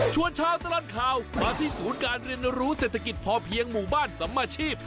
ชาวตลอดข่าวมาที่ศูนย์การเรียนรู้เศรษฐกิจพอเพียงหมู่บ้านสัมมาชีพ